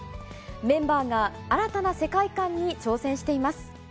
メンバーが新たな世界観に挑戦しています。